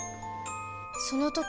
その時